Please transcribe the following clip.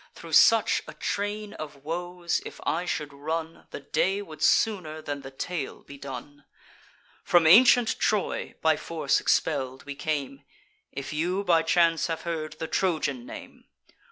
Thro' such a train of woes if I should run, The day would sooner than the tale be done! From ancient Troy, by force expell'd, we came, If you by chance have heard the Trojan name.